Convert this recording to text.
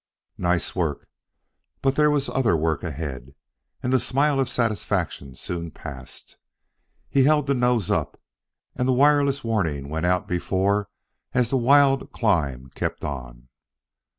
Nice work! But there was other work ahead, and the smile of satisfaction soon passed. He held the nose up, and the wireless warning went out before as the wild climb kept on.